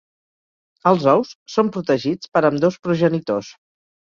Els ous són protegits per ambdós progenitors.